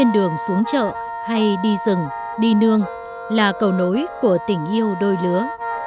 đường xuống chợ hay đi rừng đi nương là cầu nối của tình yêu đôi lứa